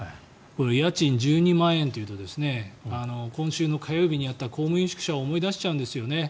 家賃１２万円というと今週の火曜日にやった公務員宿舎を思い出しちゃうんですよね。